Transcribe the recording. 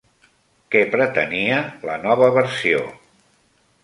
Què pretenia la nova versió?